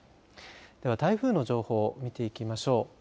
では台風の情報見ていきましょう。